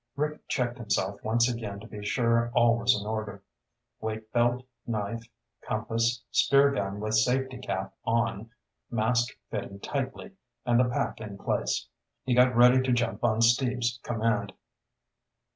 Rick checked himself once again to be sure all was in order. Weight belt, knife, compass, spear gun with safety cap on, mask fitting tightly, and the pack in place. He got ready to jump on Steve's command.